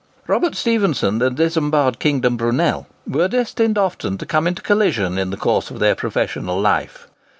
Robert Stephenson and Isambard Kingdom Brunel were destined often to come into collision in the course of their professional life.